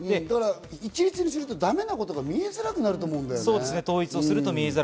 一律にするとだめなことが見えづらくなると思うんだよね。